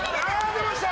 出ました！